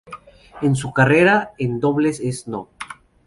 En su carrera en dobles es no.